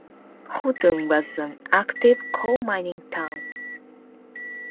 Houghton was an active coal-mining town.